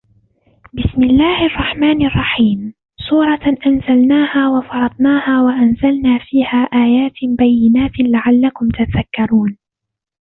بسم الله الرحمن الرحيم سورة أنزلناها وفرضناها وأنزلنا فيها آيات بينات لعلكم تذكرون